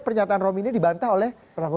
pernyataan romi ini dibantah oleh prabowo